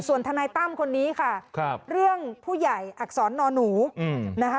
ส่วนทนายตั้มคนนี้ค่ะเรื่องผู้ใหญ่อักษรนอนหนูนะคะ